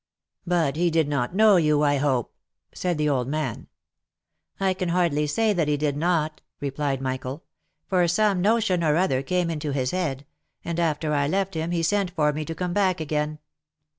" But he did not know you, I hope ?" said the old man. " I can hardly say that he did not," replied Michael ;*' for some no tion or other came into his head, and after I left him he sent for me to come back again.